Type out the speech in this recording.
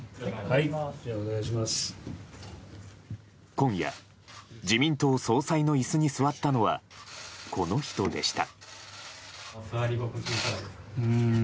今夜自民党総裁の椅子に座ったのはこの人でした。